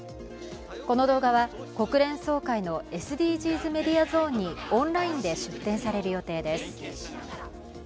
この動画は国連総会のＳＤＧｓメディアゾーンにオンラインで出展される予定です。